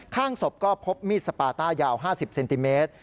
ข้างศพก็พบมีดสปาต้ายาว๕๐เซนติเมตร